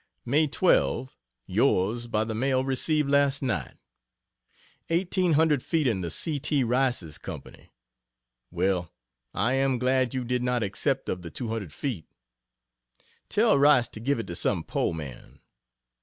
May 12 Yours by the mail received last night. "Eighteen hundred feet in the C. T. Rice's Company!" Well, I am glad you did not accept of the 200 feet. Tell Rice to give it to some poor man.